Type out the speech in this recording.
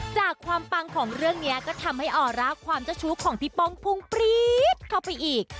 จากความปังของเรื่องนี้ก็ทำให้ออร่าความเจ้าชู้ของพี่ป้องพุ่งปรี๊ดเข้าไปอีก